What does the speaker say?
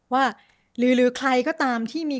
ว่าหรือใครก็ตามที่มี